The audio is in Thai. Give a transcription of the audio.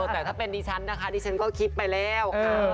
แต่ถ้าเป็นดิฉันนะคะดิฉันก็คิดไปแล้ว